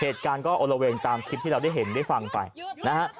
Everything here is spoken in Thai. เหตุการณ์ก็โอละเวงตามคลิปที่เราได้เห็นได้ฟังไปนะฮะ